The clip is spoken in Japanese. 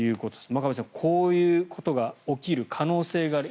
真壁さん、こういうことが起きる可能性がある。